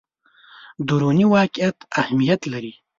دروني واقعیت اهمیت لري.